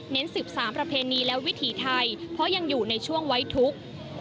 ๑๓ประเพณีและวิถีไทยเพราะยังอยู่ในช่วงไว้ทุกข์